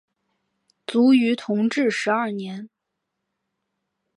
卒于同治十二年。